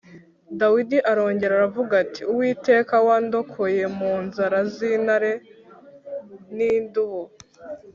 Dawidi arongera aravuga ati “Uwiteka wandokoye mu nzara z’intare n’idubu